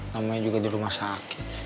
namanya juga di rumah sakit